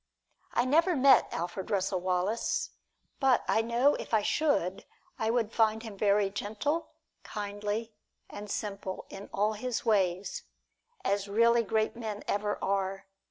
I never met Alfred Russel Wallace, but I know if I should, I would find him very gentle, kindly and simple in all his ways as really great men ever are.